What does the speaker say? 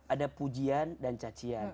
ada pujian dan cacian